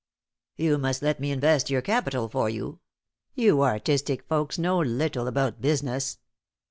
"You must let me invest your capital for you. You artistic folks know little about business."